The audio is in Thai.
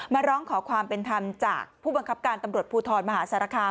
มาร้องขอความเป็นธรรมจากผู้บังคับการตำรวจภูทรมหาสารคาม